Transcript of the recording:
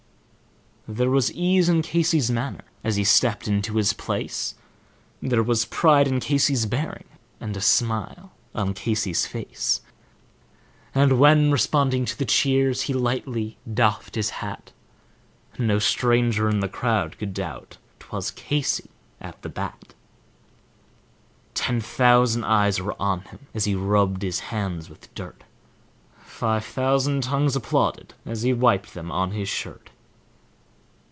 There was ease in Casey's manner as he stepped into his place; There was pride in Casey's bearing and a smile on Casey's face, And when, responding to the cheers, he lightly doffed his hat, No stranger in the croud could doubt `twas Casey at the bat. Ten thousand eyes were on him as he rubbed his hands with dirt; Five thousand tounges applauded as he wiped them on his shirt.